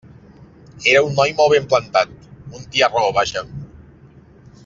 Era un noi molt ben plantat, un tiarró, vaja.